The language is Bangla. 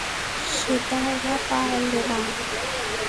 সেটা ওরা পারলে না।